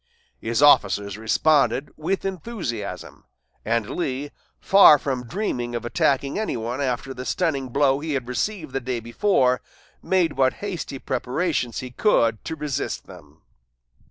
His officers responded with enthusiasm; and Lee, far from dreaming of attacking any one after the stunning blow he had received the day before, made what hasty preparations he could to resist them.